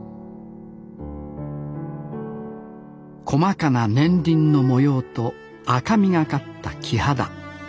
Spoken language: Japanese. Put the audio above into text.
細かな年輪の模様と赤みがかった木肌。